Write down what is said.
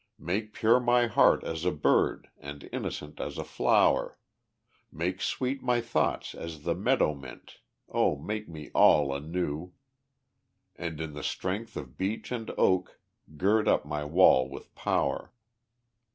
Make pure my heart as a bird and innocent as a flower, Make sweet my thoughts as the meadow mint O make me all anew, And in the strength of beech and oak gird up my will with power.